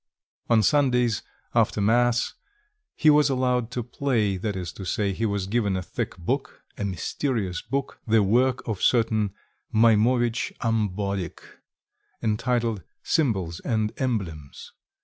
On Sundays, after mass, he was allowed to play, that is to say, he was given a thick book, a mysterious book, the work of a certain Maimovitch Ambodik, entitled "Symbols and Emblems."